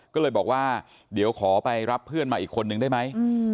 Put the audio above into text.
ก็เลยบอกว่าเดี๋ยวขอไปรับเพื่อนมาอีกคนนึงได้ไหม